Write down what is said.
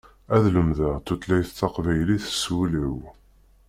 Ad lemdeɣ tutlayt taqbaylit s wul-iw.